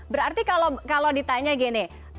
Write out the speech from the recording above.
berarti kalau ditanya gini